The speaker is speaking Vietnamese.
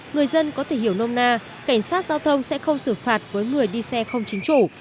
người dân có thể hiểu nôm na cảnh sát giao thông sẽ không xử phạt với người đi xe không chính chủ